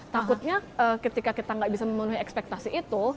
takutnya ketika kita nggak bisa memenuhi ekspektasi itu